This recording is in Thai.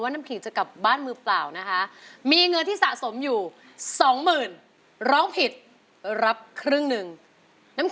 น้ำขีงทั้งวันออกไปสู้ชีวิตกันต่อหนึ่งหมื่นบาท